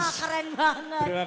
selamat malam itulah